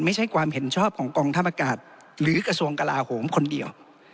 ไม่ใช่ความเห็นชอบของกองทัพอากาศหรือกระทรวงกลาโหมคนเดียว